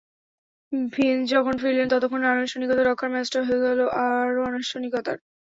Finch যখন ফিরলেন, ততক্ষণে আনুষ্ঠানিকতা রক্ষার ম্যাচটা হয়ে গেল আরও আনুষ্ঠানিকতার।